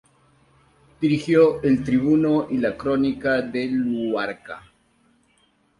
Dirigió "El Tribuno" y "La Crónica de Luarca.